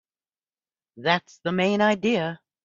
That's the main idea.